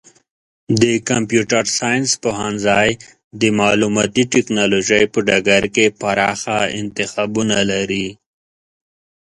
د کمپیوټر ساینس پوهنځی د معلوماتي ټکنالوژۍ په ډګر کې پراخه انتخابونه لري.